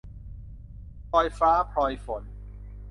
พลอยฟ้าพลอยฝน